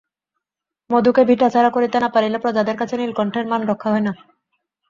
মধুকে ভিটাছাড়া করিতে না পারিলে প্রজাদের কাছে নীলকণ্ঠের মান রক্ষা হয় না।